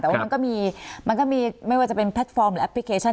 แต่ว่ามันก็มีมันก็มีไม่ว่าจะเป็นแพลตฟอร์มหรือแอปพลิเคชัน